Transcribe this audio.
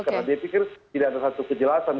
karena dia pikir tidak ada satu kejelasan